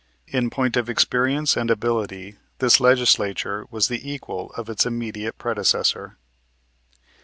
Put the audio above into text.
In point of experience and ability this Legislature was the equal of its immediate predecessor.